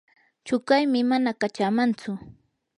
chuqaymi mana kachamantsu.